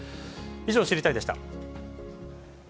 以上、知りたいッ！でした。